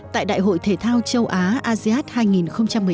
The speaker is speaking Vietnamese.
tại đại hội thể thao châu á asean hai nghìn một mươi chín